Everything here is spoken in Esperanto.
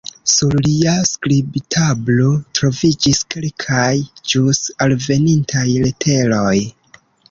Sur lia skribtablo troviĝis kelkaj, ĵus alvenintaj leteroj.